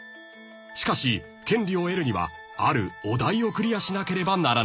［しかし権利を得るにはあるお題をクリアしなければならなかった］